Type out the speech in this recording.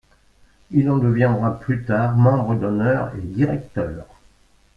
Il en deviendra plus tard membre d'honneur et directeur.